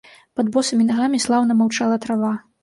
Пад босымі нагамі слаўна маўчала трава.